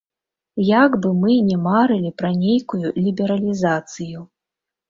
Як бы мы ні марылі пра нейкую лібералізацыю.